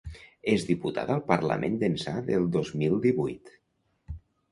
És diputada al parlament d’ençà del dos mil divuit.